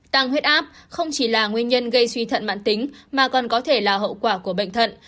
tăng huyết áp không chỉ là nguyên nhân gây suy thận mạng tính mà còn có thể là hậu quả của bệnh thận